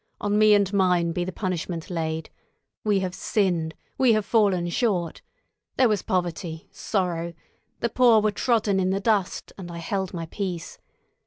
On me and mine be the punishment laid. We have sinned, we have fallen short. There was poverty, sorrow; the poor were trodden in the dust, and I held my peace.